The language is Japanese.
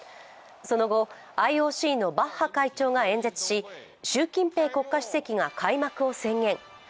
その後、ＩＯＣのバッハ会長が演説し、習近平国家主席が開幕を宣言。